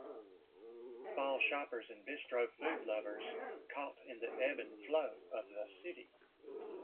Fall shoppers and bistro food lovers caught in the ebb and flow of the city